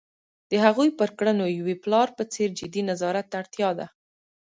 د هغوی پر کړنو یوې پلار په څېر جدي نظارت ته اړتیا ده.